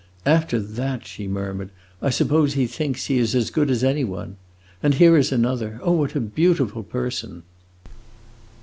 "After that," she murmured, "I suppose he thinks he is as good as any one! And here is another. Oh, what a beautiful person!"